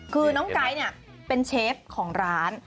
คือน้องไก๊เนี่ยเป็นเชฟของร้าน